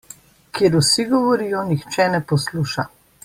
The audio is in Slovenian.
Kjer vsi govorijo, nihče ne posluša.